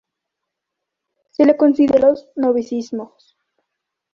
Se lo considera como el más puro de los novísimos.